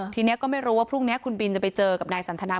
ทีนี้ก็ไม่รู้ว่าพรุ่งนี้คุณบินจะไปเจอกับนายสันทนา